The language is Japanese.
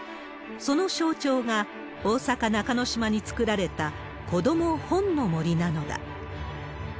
その象徴が、大阪・中之島に作られた子ども本の森なのだ。